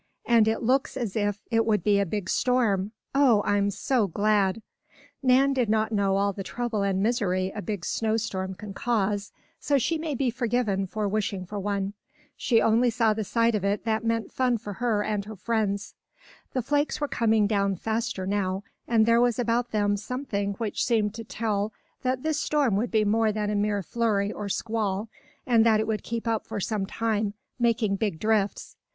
And it looks as if it would be a big storm. Oh, I'm so glad!" Nan did not know all the trouble and misery a big snow storm can cause, so she may be forgiven for wishing for one. She only saw the side of it that meant fun for her and her friends. The flakes were coming down faster now, and there was about them something which seemed to tell that this storm would be more than a mere flurry or squall, and that it would keep up for some time, making big drifts.